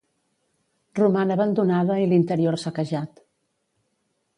Roman abandonada i l'interior saquejat.